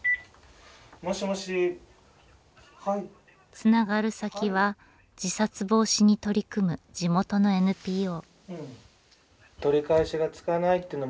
つながる先は自殺防止に取り組む地元のＮＰＯ。